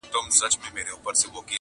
چاته وايی سخاوت دي یزداني دی!